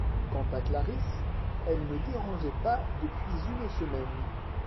Quant à Clarisse, elle ne dérageait pas depuis une semaine.